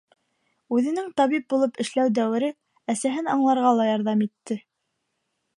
Үҙенең табип булып эшләү дәүере әсәһен аңларға ла ярҙам итте.